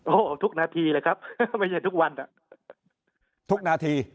โอ้โหทุกนาทีเลยครับไม่ใช่ทุกวัน